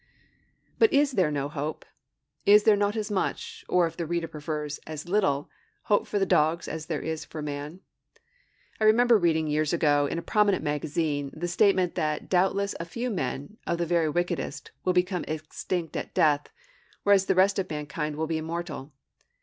But is there no hope? Is there not as much or, if the reader prefers, as little hope for the dog as there is for man? I remember reading years ago in a prominent magazine the statement that doubtless a few men, the very wickedest, will become extinct at death, whereas the rest of mankind will be immortal.